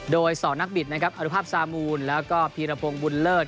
โดยสอนักบิดนะครับอนุภาพซามูลแล้วก็พีรพงศ์บุญเลิศ